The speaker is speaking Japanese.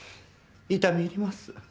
痛み入ります。